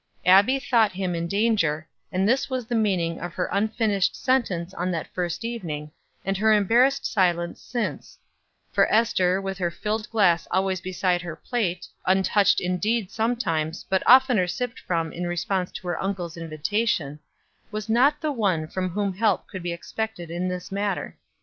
Abbie thought him in danger, and this was the meaning of her unfinished sentence on that first evening, and her embarrassed silence since; for Ester, with her filled glass always beside her plate, untouched indeed sometimes, but oftener sipped from in response to her uncle's invitation, was not the one from whom help could be expected in this matter.